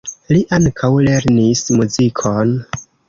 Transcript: Li ankaŭ lernis muzikon.